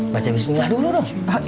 baca bismillah dulu dong